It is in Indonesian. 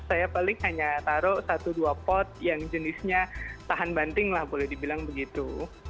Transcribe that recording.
saya paling hanya taruh satu dua pot yang jenisnya tahan banting lah boleh dibilang begitu